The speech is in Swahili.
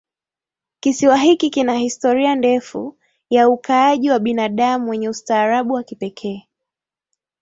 Kisiwa hiki kina historia ndefu ya ukaaji wa binadamu wenye ustaarabu wa kipekee